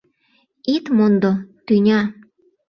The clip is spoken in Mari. Ит мондо, тӱня!